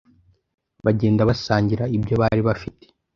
bagenda basangira ibyo bari bafite.